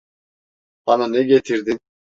Bana ne getirdin?